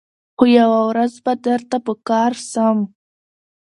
خو یوه ورځ به درته په کار سم